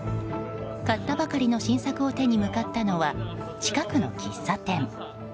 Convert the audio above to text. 買ったばかりの新作を手に向かったのは近くの喫茶店。